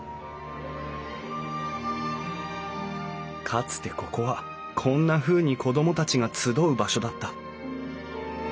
かつてここはこんなふうに子供たちが集う場所だった。